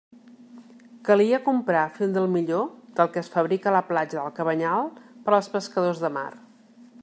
Calia comprar fil del millor, del que es fabrica a la platja del Cabanyal per als pescadors de mar.